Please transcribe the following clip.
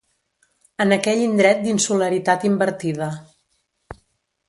En aquell indret d'insularitat invertida.